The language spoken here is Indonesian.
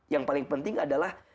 yang paling penting adalah